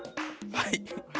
はい。